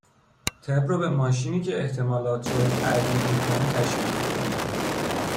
طب رو به ماشینی که احتمالات را تَعدیل میکنه تشبیه میکنه.